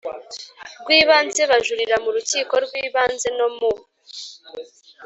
rw Ibanze bajurira mu Rukiko rw Ibanze no mu